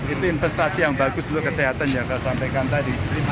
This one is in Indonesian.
itu investasi yang bagus untuk kesehatan yang saya sampaikan tadi